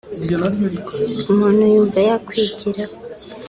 umuntu yumva yakwigiraho